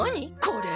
これ。